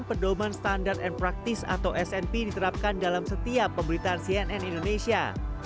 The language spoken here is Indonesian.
pedoman standard and practice atau smp diterapkan dalam setiap pemberitaan cnn indonesia